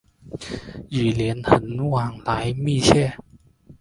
与连横往来密切。